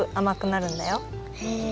へえ。